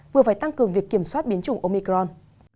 vừa phải tăng cường việc kiểm soát biến chủng omicron